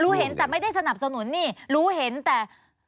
รู้เห็นแต่ไม่ได้สนับสนุนนี่รู้เห็นแต่